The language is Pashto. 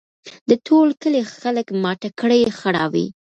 د ټول کلي خلک ماته کړي ښراوي